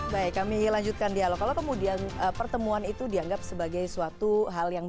baik kami lanjutkan dialog kalau kemudian pertemuan itu dianggap sebagai suatu hal yang